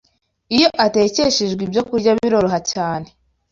iyo atekeshwejwe ibyokurya biraroha cyane